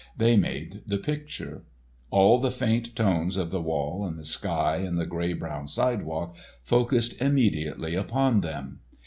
They made the picture. All the faint tones of the wall and the sky and the grey brown sidewalk focused immediately upon them.